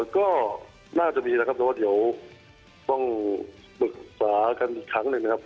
ก็น่าจะมีนะครับแต่ว่าเดี๋ยวต้องปรึกษากันอีกครั้งหนึ่งนะครับ